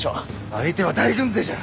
相手は大軍勢じゃ。